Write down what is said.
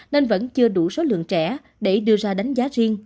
nên vẫn chưa đủ số lượng trẻ để đưa ra đánh giá riêng